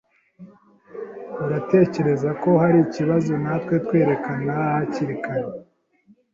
Uratekereza ko hari ikibazo natwe twerekana hakiri kare?